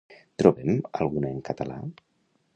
Trobem alguna en català?